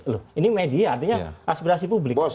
loh ini media artinya aspirasi publik